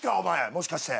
もしかして。